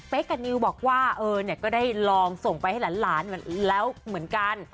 กับนิวบอกว่าเออเนี่ยก็ได้ลองส่งไปให้หลานแล้วเหมือนกัน